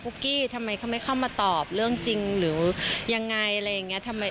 กี้ทำไมเขาไม่เข้ามาตอบเรื่องจริงหรือยังไงอะไรอย่างนี้